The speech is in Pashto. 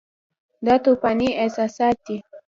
دا توپاني احساسات دي.